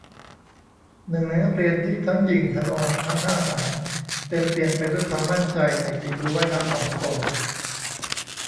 หนึ่งในนักเรียนที่ทั้งหยิ่งทะนง ทั้งห้าวหาญ เต็มเปี่ยมไปด้วยความมั่นใจในฝีมือว่ายน้ำของตน